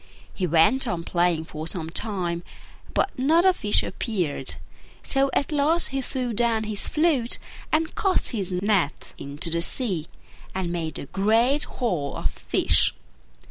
He went on playing for some time, but not a fish appeared: so at last he threw down his flute and cast his net into the sea, and made a great haul of fish.